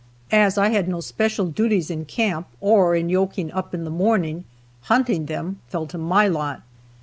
As I had no special duties in camp, or in yoking up in the morning, hunting them fell to my lot.